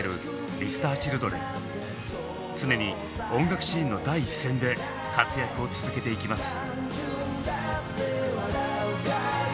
常に音楽シーンの第一線で活躍を続けていきます。